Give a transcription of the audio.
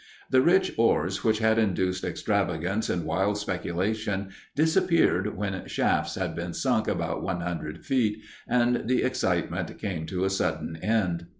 The rich ores which had induced extravagance and wild speculation disappeared when shafts had been sunk about one hundred feet, and the "excitement" came to a sudden end.